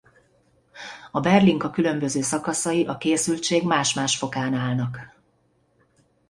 A Berlinka különböző szakaszai a készültség más-más fokán állnak.